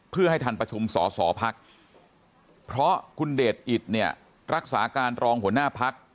เพื่อให้ทันประชุมสอสอพักเพราะคุณเดชอิตเนี่ยรักษาการรองหัวหน้าพัก